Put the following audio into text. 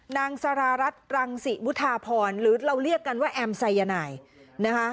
นางสารารัฐรังศิวุธาพรหรือเราเรียกกันว่าแอมไซยานายนะคะ